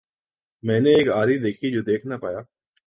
میں نے ایک آری دیکھی جو دیکھ نہ پایا۔